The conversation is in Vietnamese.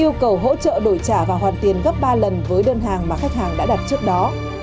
yêu cầu hỗ trợ đổi trả và hoàn tiền gấp ba lần với đơn hàng mà khách hàng đã đặt trước đó